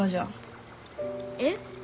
えっ？